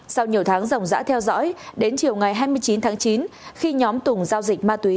sau nhiều tháng rộng rãi theo dõi đến chiều ngày hai mươi chín tháng chín khi nhóm tùng giao dịch ma túy